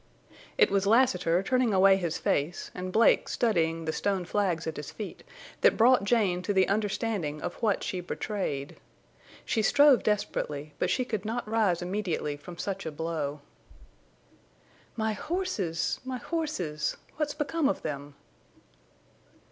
It was Lassiter turning away his face and Blake studying the stone flags at his feet that brought Jane to the understanding of what she betrayed. She strove desperately, but she could not rise immediately from such a blow. "My horses! My horses! What's become of them?"